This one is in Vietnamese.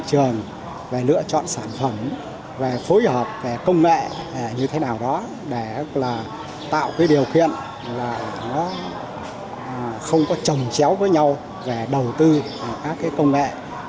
các bọn sản phẩm phối hợp công nghệ như thế nào đó để tạo điều kiện không trầm chéo với nhau về đầu tư các công nghệ